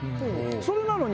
それなのに。